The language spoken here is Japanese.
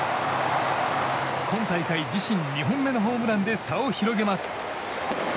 今大会自身２本目のホームランで差を広げます。